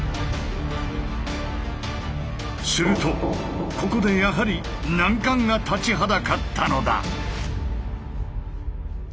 するとここでやはり難関が立ちはだかったのだ。